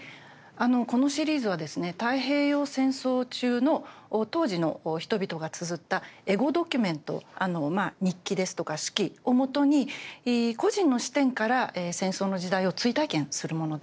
このシリーズはですね太平洋戦争中の当時の人々がつづったエゴ・ドキュメント日記ですとか手記をもとに個人の視点から戦争の時代を追体験するものです。